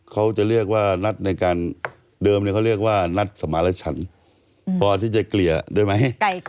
เขาจะเรียกว่านัดในการเดิมเขาเรียกว่านัดสมารชันพอที่จะเกลี่ยได้ไหม